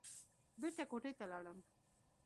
بېرته کوټې ته لاړم.